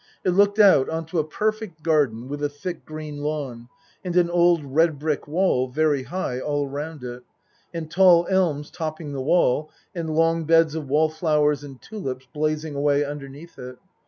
It looked out on to a perfect garden with a thick green lawn, and an old red brick wall, very high, all round it, and tall elms topping the wall, and long beds of wallflowers and tulips blazing away underneath it.